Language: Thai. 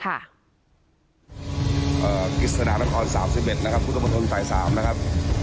กฤษฎานครสามสิบเอ็ดนะครับปุ๊นตะบนฝนไถ้สามนะครับ